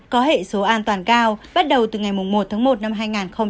có hệ số an toàn cao bắt đầu từ ngày một tháng một năm hai nghìn hai mươi